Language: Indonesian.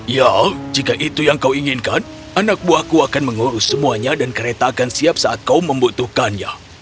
ya jika itu yang kau inginkan anak buahku akan mengurus semuanya dan kereta akan siap saat kau membutuhkannya